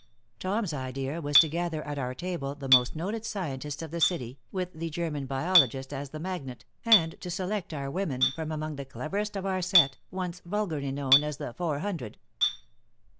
Tom's idea was to gather at our table the most noted scientists of the city, with the German biologist as the magnet, and to select our women from among the cleverest of our set, once vulgarly known as the "Four Hundred."